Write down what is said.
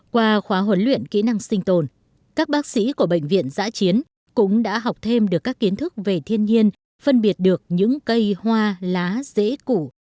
qua khóa huấn luyện kỹ năng sinh tồn các bác sĩ của bệnh viện giã chiến cũng đã học thêm được các kiến thức về thiên nhiên phân biệt được những cây hoa lá rễ củ